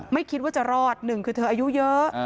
ไม่คิดว่าจะรอดหนึ่งคือเธออายุเยอะ